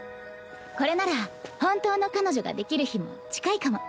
これなら本当の彼女ができる日も近いかも。